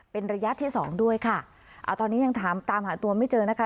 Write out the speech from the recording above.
เป็นระยะที่สองด้วยค่ะอ่าตอนนี้ยังถามตามหาตัวไม่เจอนะคะ